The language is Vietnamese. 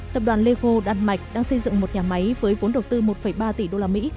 tập đoàn lego đan mạch đang xây dựng một nhà máy với vốn đầu tư một ba tỷ usd